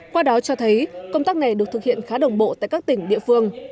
qua đó cho thấy công tác này được thực hiện khá đồng bộ tại các tỉnh địa phương